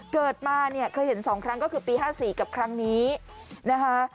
เกิดมาเนี่ยเคยเห็น๒ครั้งก็คือปี๕๔กับครั้งนี้นะคะ